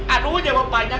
aduh jangan bawa banyak